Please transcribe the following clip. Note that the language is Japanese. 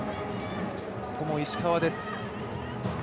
ここも石川です。